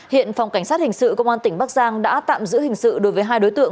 hiện phòng cảnh sát hình sự công an tỉnh bắc giang đã tạm giữ hình sự đối với hai đối tượng